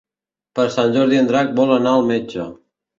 Per Sant Jordi en Drac vol anar al metge.